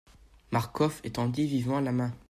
Marcof étendit vivement la main.